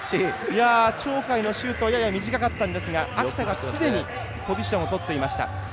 鳥海のシュートはやや短かったんですが秋田がすでにポジションを取っていました。